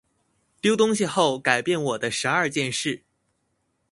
丟東西後改變我的十二件事